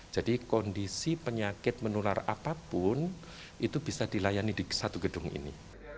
jadi kondisi penyakit menular apapun itu bisa dilayani di satu gedung ini